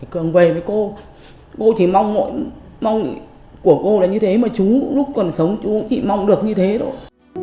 cường về với cô cô chỉ mong mỗi mong của cô là như thế mà chú lúc còn sống chú cũng chỉ mong được như thế thôi